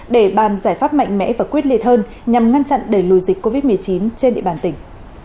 để bàn giải pháp mạnh mẽ và quyết liệt hơn nhằm ngăn chặn đẩy lùi dịch covid một mươi chín trên địa bàn tỉnh